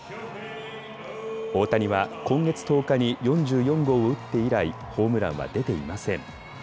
大谷は今月１０日に４４号を打って以来、ホームランは出ていません。